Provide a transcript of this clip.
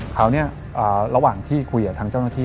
คราวนี้ระหว่างที่คุยกับทางเจ้าหน้าที่